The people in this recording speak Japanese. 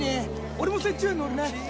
俺もそっちへ乗るね